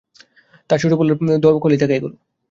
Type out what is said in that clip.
তার ছোট পোলার দখলেই থাকে এগুলো।